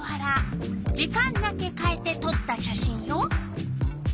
時間だけかえてとった写真よ。